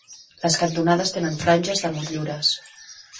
Les cantonades tenen franges de motllures.